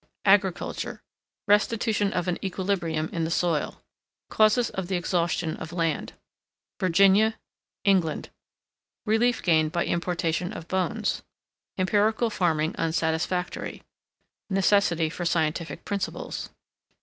AGRICULTURE. RESTITUTION OF AN EQUILIBRIUM IN THE SOIL. Causes of the exhaustion of Land. Virginia. England. Relief gained by importation of bones. Empirical farming unsatisfactory. Necessity for scientific principles.